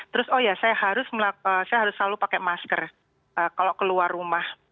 terus oh ya saya harus selalu pakai masker kalau keluar rumah